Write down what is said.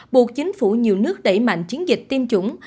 buộc chính phủ nhiều nước đẩy mạnh chiến dịch tiêm chủng